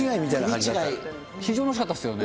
非常に惜しかったですよね。